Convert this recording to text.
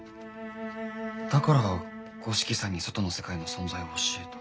だから五色さんに外の世界の存在を教えた？